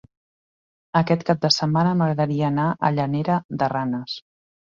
Aquest cap de setmana m'agradaria anar a Llanera de Ranes.